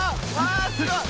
あすごい！